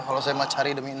kalau saya mah cari demi neng